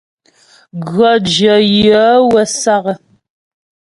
Gʉɔ́ jyə yaə̌ wə́ sǎk.